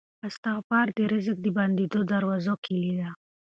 استغفار د رزق د بندو دروازو کیلي ده.